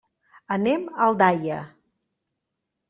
Anem a Aldaia.